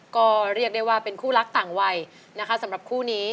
ก็เรียกได้ว่าเป็นคู่รักต่างวัยนะคะสำหรับคู่นี้